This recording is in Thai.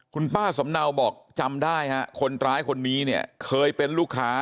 คุณป้าสำเนาบอกจำได้ฮะคนร้ายคนนี้เนี่ยเคยเป็นลูกค้า